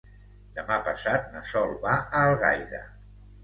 Demà passat na Sol va a Algaida.